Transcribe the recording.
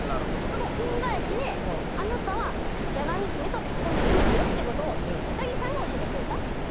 その恩返しで「あなたは八上比売と結婚できますよ」って事をウサギさんが教えてくれた。